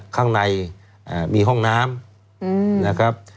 ข้างในมีห้องน้ำนะครับ